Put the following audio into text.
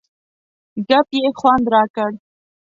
ګپ یې خوند را کړ.